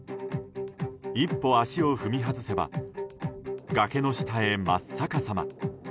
１歩、足を踏み外せば崖の下へ真っ逆さま。